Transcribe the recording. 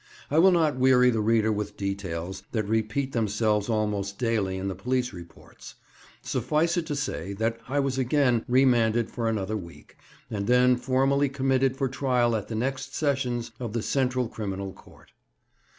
I will not weary the reader with details that repeat themselves almost daily in the police reports; suffice it to say that I was again remanded for another week, and then formally committed for trial at the next sessions of the Central Criminal Court.